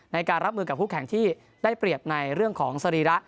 ในการรับมือกับผู้แข่งที่ได้เปรียบในเรื่องของสรีระ